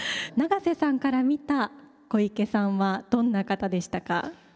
永瀬さんから見た小池さんはどんな方でしたか？